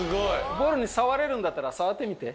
ボールに触れるんだったら触ってみて。